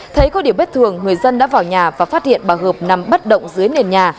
thấy có điểm bất thường người dân đã vào nhà và phát hiện bà hợp nằm bất động dưới nền nhà